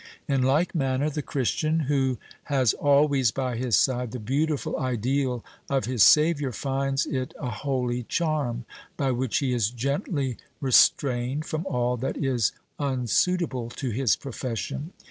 In like manner the Christian, who has always by his side the beautiful ideal of his Savior, finds it a holy charm, by which he is gently restrained from all that is unsuitable to his profession.